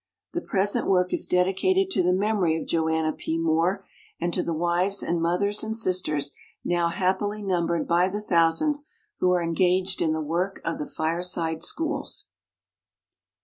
The present work is dedicated to the memory of Joanna P. Moore, and to the wives and mothers and sisters, now hap pily numbered by the thousands, who are engaged in the work of the Fireside Schools.